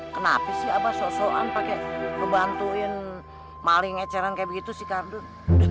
kenapa sih abah so soan pake ngebantuin maling ngeceran kayak gitu si kardun